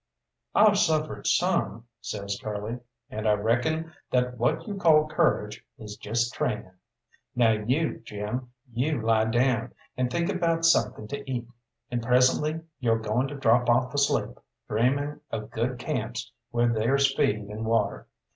"I've suffered some," says Curly, "and I reckon that what you call courage is just training. Now you, Jim, you lie down, and think about something to eat, and presently yo're goin' to drop off asleep, dreaming of good camps where there's feed and water.